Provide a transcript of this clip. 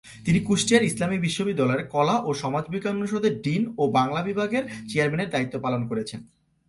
তিনি কুষ্টিয়ার ইসলামী বিশ্ববিদ্যালয়ের কলা ও সমাজবিজ্ঞান অনুষদের ডিন ও বাংলা বিভাগের চেয়ারম্যানের দায়িত্ব পালন করেছেন।